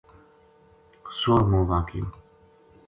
سوہلمو واقعو